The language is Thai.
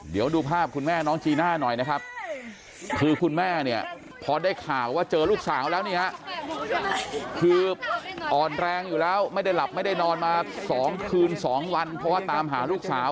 เดี๋ยวดูภาพคุณแม่น้องจีน่าหน่อยนะครับคือคุณแม่เนี่ยพอได้ข่าวว่าเจอลูกสาวแล้วนี่ฮะคืออ่อนแรงอยู่แล้วไม่ได้หลับไม่ได้นอนมา๒คืน๒วันเพราะว่าตามหาลูกสาว